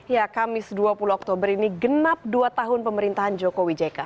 ya kamis dua puluh oktober ini genap dua tahun pemerintahan jokowi jk